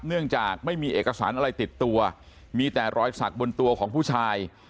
เนื่องจากไม่มีเอกสารอะไรติดตัวมีแต่รอยสักบนตัวของผู้ชาย